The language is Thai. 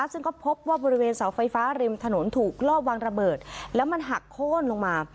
ซึ่งก็พบว่าบริเวณเสาไฟฟ้าริมถนนถูกลอบวางระเบิดแล้วมันหักโค้นลงมา